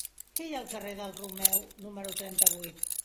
Què hi ha al carrer del Romeu número trenta-vuit?